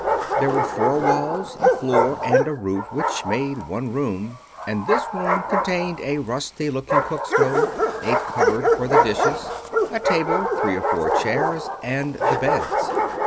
There were four walls, a floor and a roof, which made one room; and this room contained a rusty looking cookstove, a cupboard for the dishes, a table, three or four chairs, and the beds.